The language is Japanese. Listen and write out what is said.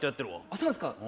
あっそうなんですか。